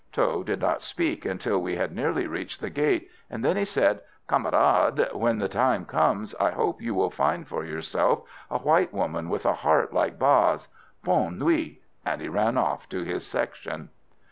Tho did not speak until we had nearly reached the gate, then he said: "Camarade, when the time comes, I hope you will find for yourself a white woman with a heart like Ba's. Bonne nuit!" And he ran off to his section.